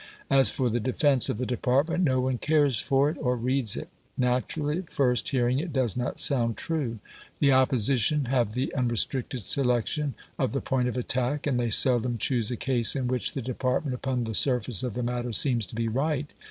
As for the defence of the department, no one cares for it or reads it. Naturally at first hearing it does not sound true. The Opposition have the unrestricted selection of the point of attack, and they seldom choose a case in which the department, upon the surface of the matter, seems to be right.